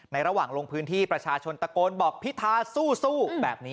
ระหว่างลงพื้นที่ประชาชนตะโกนบอกพิธาสู้แบบนี้